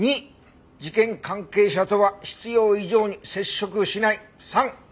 「２事件関係者とは必要以上に接触しない」